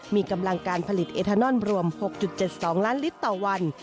มีกำลังการผลิตเอทานอนรวม๖๗๒ล้านลิตรต่อวัน